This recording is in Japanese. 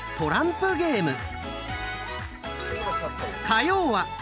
火曜は！